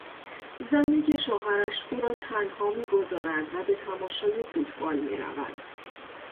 زنی که شوهرش او را تنها میگذارد و به تماشای فوتبال میرود.